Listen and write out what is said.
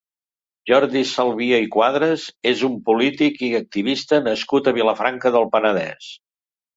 Jordi Salvia i Cuadras és un polític i activista nascut a Vilafranca del Penedès.